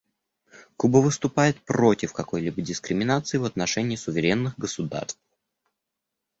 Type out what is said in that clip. Куба выступает против какой-либо дискриминации в отношении суверенных государств.